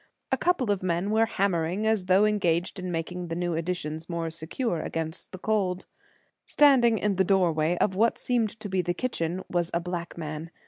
A couple of men were hammering as though engaged in making the new additions more secure against the cold. Standing in the doorway of what seemed to be the kitchen was a black man.